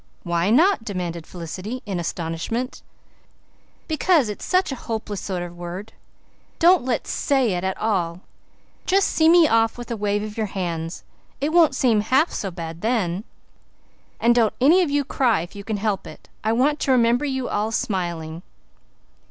"Why not?" demanded Felicity in astonishment. "Because it's such a hopeless sort of word. Don't let's SAY it at all. Just see me off with a wave of your hands. It won't seem half so bad then. And don't any of you cry if you can help it. I want to remember you all smiling."